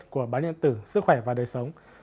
của bán nhận tử sức khỏe và đời sống